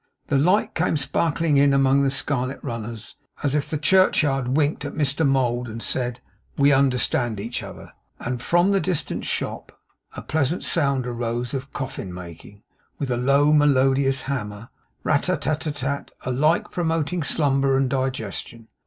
The light came sparkling in among the scarlet runners, as if the churchyard winked at Mr Mould, and said, 'We understand each other;' and from the distant shop a pleasant sound arose of coffin making with a low melodious hammer, rat, tat, tat, tat, alike promoting slumber and digestion.